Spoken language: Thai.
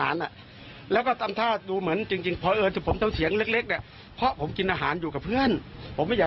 พอชักไม่นานต้องหาพอพอให้น้องมันวิทยาลักษณะ